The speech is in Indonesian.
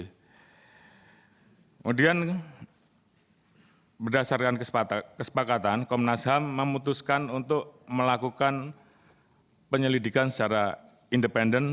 kemudian berdasarkan kesepakatan komnas ham memutuskan untuk melakukan penyelidikan secara independen